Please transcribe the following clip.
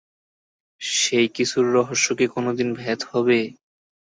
সেই কিছুর রহস্য কি কোনো দিন ভেদ হবে?